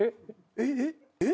えっ！？